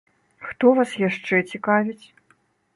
Хто вас яшчэ цікавіць?